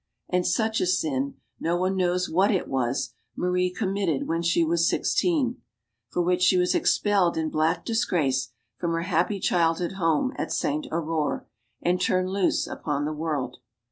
And such a sin no one knows what it was Marie committed when she was sixteen. For which she was expelled in black disgrace from her happy childhood home at Sainte Aurore, and turned loose upon the world.